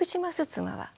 妻は。